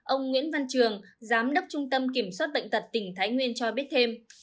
ông nguyễn văn trường giám đốc trung tâm kiểm soát bệnh tật tỉnh thái nguyên cho biết thêm